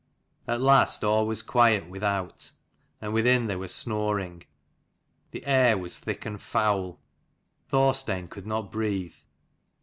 At last all was quiet without, and within they were snoring. The air was thick and foul: Thorstein could not breathe.